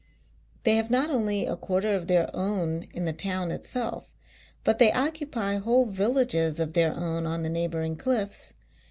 They have not only a Quarter of their own in the town itself, but they occupy whole villages of their own on the neighbouring cliffs.